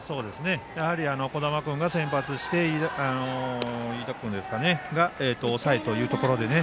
やはり児玉君が先発して飯田君が抑えというところでね。